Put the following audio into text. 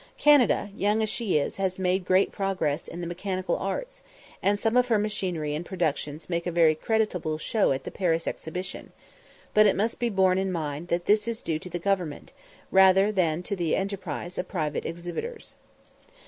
Canada, young as she is, has made great progress in the mechanical arts, and some of her machinery and productions make a very creditable show at the Paris Exhibition; but it must be borne in mind that this is due to the government, rather than to the enterprise of private exhibitors.